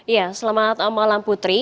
ya selamat malam putri